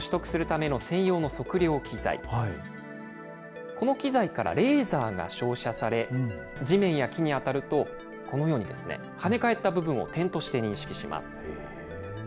この機材からレーザーが照射され、地面や木に当たるとこのように、跳ね返った部分を点として認識します。